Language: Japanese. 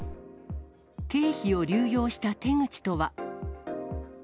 経費を流用した手口とは。